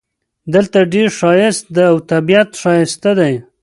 دلته ډېر ښایست ده او طبیعت ښایسته ده